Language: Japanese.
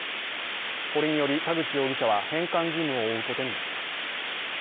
これにより田口容疑者は、返還義務を負うことになります。